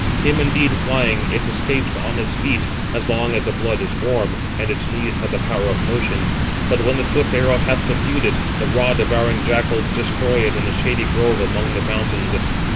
Him indeed, flying, it escapes on its feet, as long as the blood is warm, and its knees have the power of motion. But when the swift arrow hath subdued it, the raw devouring jackals destroy it in a shady grove among the mountains.